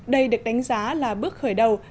đây được đánh giá là bước khởi đầu